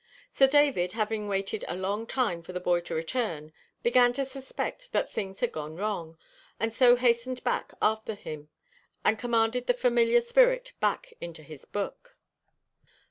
Sir David having waited a long time for the boy to return, began to suspect that things had gone wrong, and so hastened back after him, and commanded the familiar spirit again into his book.